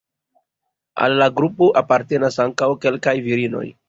Al la grupo apartenas ankaŭ kelkaj virinoj.